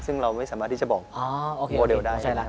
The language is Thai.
ซึ่งเราไม่สามารถที่จะบอกโมเดลได้ใช่ไหม